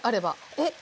えっ？